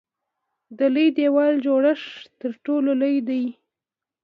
د لوی دیوال جوړښت تر ټولو لوی دی.